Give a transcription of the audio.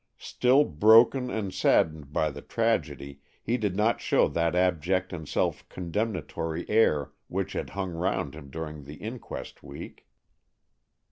Still broken and saddened by the tragedy, he did not show that abject and self condemnatory air which had hung round him during the inquest week.